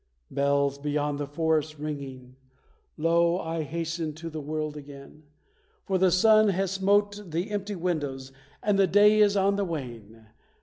Bells, beyond the forest ringing, lo, I hasten to the world again; For the sun has smote the empty windows, and the day is on the wane!